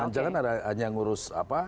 jangan jangan ada hanya ngurus apa